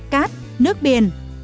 cát nước biển